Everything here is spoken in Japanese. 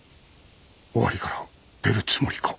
尾張から出るつもりか。